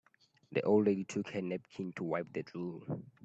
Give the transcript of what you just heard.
The old lady took her napkin to wipe the drool.